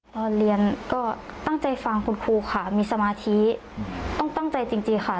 ตอนเรียนก็ตั้งใจฟังคุณครูค่ะมีสมาธิต้องตั้งใจจริงค่ะ